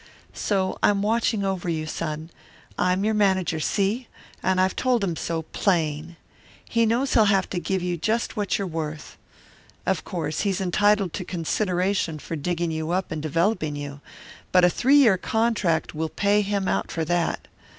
So I'm watching over you, son I'm your manager, see? And I've told him so, plain. He knows he'll have to give you just what you're worth. Of course he's entitled to consideration for digging you up and developing you, but a three year contract will pay him out for that.